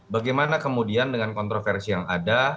bagaimana kemudian dengan kontroversi yang ada